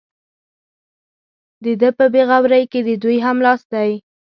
د ده په بې غورۍ کې د دوی هم لاس دی.